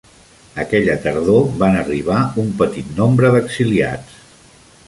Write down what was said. Aquella tardor van arribar un petit nombre d'exiliats.